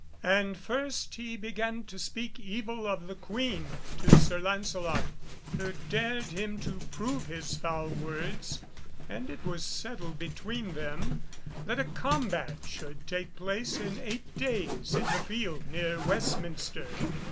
And first he began to speak evil of the Queen to Sir Lancelot, who dared him to prove his foul words, and it was settled between them that a combat should take place in eight days in the field near Westminster.